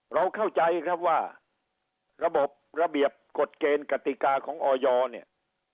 เราเข้าใจครับว่าระบบระเบียบกฎเกณฑ์กติกาของออยเนี่ย